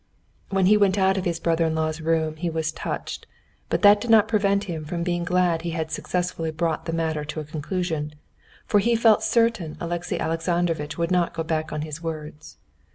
When he went out of his brother in law's room he was touched, but that did not prevent him from being glad he had successfully brought the matter to a conclusion, for he felt certain Alexey Alexandrovitch would not go back on his words.